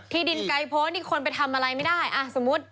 ที่ดินไกรโพซควรไปทำอะไรไม่ได้สมมติ